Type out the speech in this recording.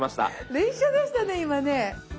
連写でしたね今ね。